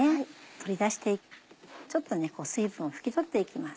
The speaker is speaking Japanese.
取り出してちょっとね水分を拭き取って行きます。